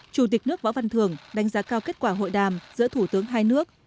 chủ tịch nước võ văn thường đánh giá cao kết quả hội đàm giữa thủ tướng hai nước